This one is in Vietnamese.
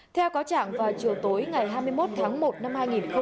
theo có trạng vào chiều tối ngày hai mươi một tháng một năm hai nghìn một mươi hai